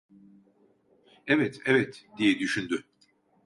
"Evet, evet!" diye düşündü…